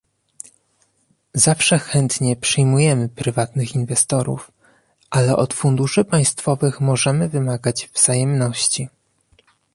Zawsze chętnie przyjmujemy prywatnych inwestorów, ale od funduszy państwowych możemy wymagać wzajemności